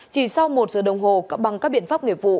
chỉ sau một giờ đồng hồ bằng các biện pháp nghiệp vụ